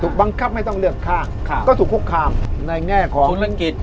บังคับให้ต้องเลือกข้างก็ถูกคุกคามในแง่ของธุรกิจ